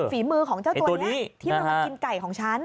ฝีมือของเจ้าตัวนี้ที่มันมากินไก่ของฉัน